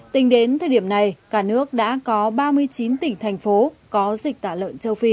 tính đến thời điểm này cả nước đã có ba mươi chín tỉnh thành phố có dịch tả lợn châu phi